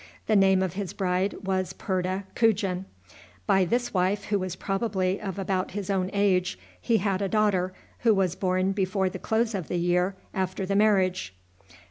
The name of his bride was Purta Kugin. By this wife, who was probably of about his own age, he had a daughter, who was born before the close of the year after the marriage.